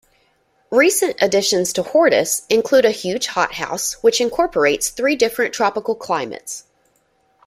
Recent additions to Hortus include a huge hothouse, which incorporates three different tropical climates.